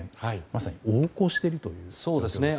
まさに横行しているという状況ですね。